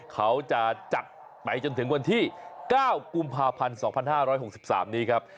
เขาจะจัดไปจนถึงวันที่๙กุมภาพันธ์๒๕๖๓นี้ครับ